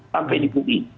sampai di uni